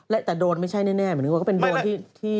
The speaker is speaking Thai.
และแต่โดนไม่ใช่แน่หมายถึงว่าก็เป็นโดรนที่